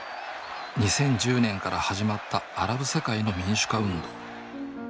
２０１０年から始まったアラブ世界の民主化運動。